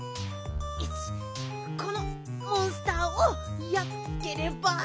このモンスターをやっつければ。